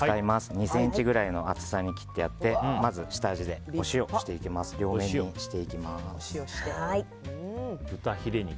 ２ｃｍぐらいの厚さに切ってあってまず下味でお塩を両面にしていきます。